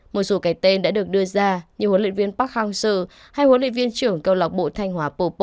một số cái tên đã được đưa ra như hồn luyện viên park hang seo hay hồn luyện viên trưởng cầu lọc bộ thành